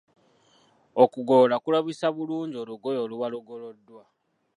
Okugolola kulabisa bulungi olugoye oluba lugoloddwa.